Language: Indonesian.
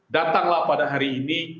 datanglah pada hari ini